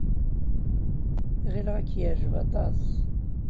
Ɣileɣ ad k-yeɛjeb aṭas.